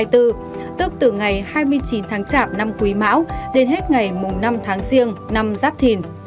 tức từ ngày hai mươi chín tháng chạp năm quý mão đến hết ngày năm tháng riêng năm giáp thìn